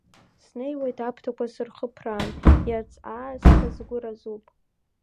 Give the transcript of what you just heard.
Снеиуеит аԥҭақәа сырхыԥраан, иац аасҭа сгәы разуп.